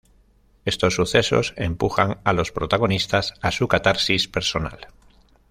Estos sucesos empujan a los protagonistas a su catarsis personal.